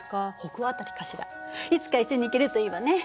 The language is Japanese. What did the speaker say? いつか一緒に行けるといいわね。